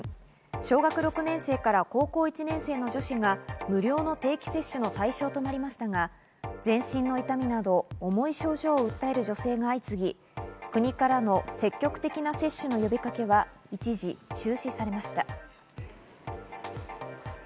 小学６年生から高校１年生までの女子が無料の定期接種の対象となりましたが、全身の痛みなど重い症状を訴える女性が相次ぎ、国からの積極的な接種の呼びかけは一時、中止されました。